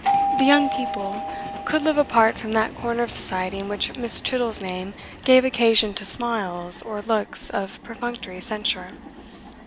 The young people could live apart from that corner of Society in which Miss. Chittle's name gave occasion to smiles or looks of perfunctory censure.